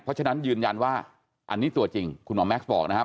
เพราะฉะนั้นยืนยันว่าอันนี้ตัวจริงคุณหมอแม็กซ์บอกนะครับ